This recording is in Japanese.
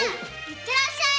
行ってらっしゃい。